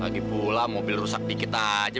pagi pulang mobil rusak dikit aja